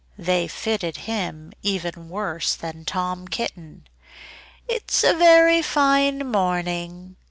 _ They fitted him even worse than Tom Kitten. "It's a very fine morning!"